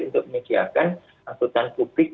untuk menyediakan angkutan publik